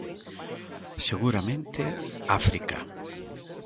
Seguramente, África.